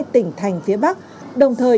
tỉnh thành phía bắc đồng thời